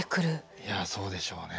いやそうでしょうね。